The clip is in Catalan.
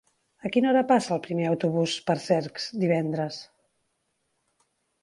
A quina hora passa el primer autobús per Cercs divendres?